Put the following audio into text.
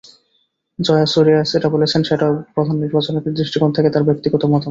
জয়াসুরিয়া যেটা বলেছেন, সেটাও প্রধান নির্বাচকের দৃষ্টিকোণ থেকে তাঁর ব্যক্তিগত মতামত।